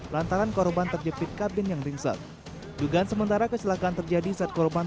lantaran korban terjepit kabin yang ringset dugaan sementara kecelakaan terjadi saat korban